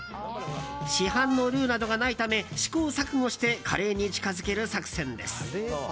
市販のルーなどがないため試行錯誤してカレーに近づける作戦です。